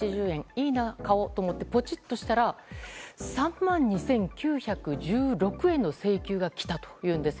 いいな、買おうと思ってポチっとしたら３万２９１６円の請求が来たというんです。